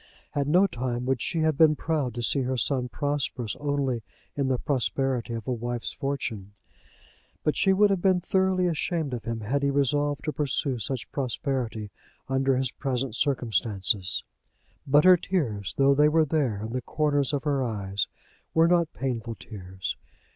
At no time would she have been proud to see her son prosperous only in the prosperity of a wife's fortune; but she would have been thoroughly ashamed of him, had he resolved to pursue such prosperity under his present circumstances. But her tears, though they were there in the corners of her eyes, were not painful tears.